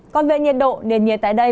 còn về nhiệt độ nền nhiệt tại đây